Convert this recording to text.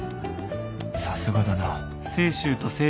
さすがだな